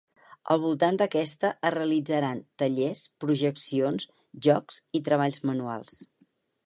Al voltant d’aquesta es realitzaran tallers, projeccions, jocs i treballs manuals.